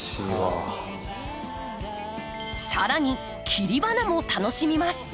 さらに切り花も楽しみます。